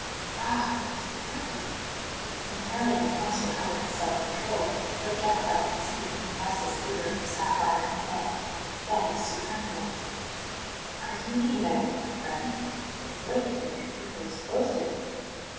"Ah, it is the pilgrim?" Montanelli had at once recovered his self control, though the Gadfly could see, from the restless glitter of the sapphire on his hand, that he was still trembling. "Are you in need of anything, my friend? It is late, and the Cathedral is closed at night."